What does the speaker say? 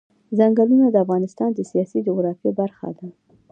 ځنګلونه د افغانستان د سیاسي جغرافیه برخه ده.